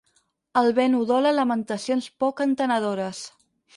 El vent udola lamentacions poc entenedores.